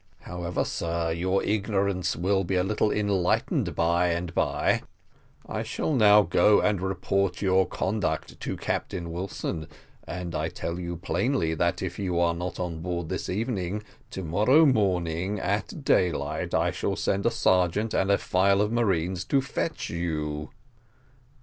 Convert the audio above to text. However, sir, your ignorance will be a little enlightened by and by. I shall now go and report your conduct to Captain Wilson; and I tell you plainly, that if you are not on board this evening, to morrow morning, at daylight, I shall send a sergeant, and a file of marines, to fetch you."